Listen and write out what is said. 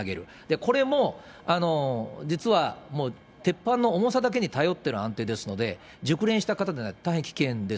これも実はもう鉄板の重さだけに頼ってる安定ですので、熟練した方でないと大変危険です。